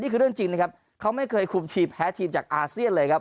เรื่องจริงนะครับเขาไม่เคยคุมทีมแพ้ทีมจากอาเซียนเลยครับ